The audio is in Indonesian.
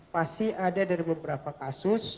pasti ada dari beberapa kasus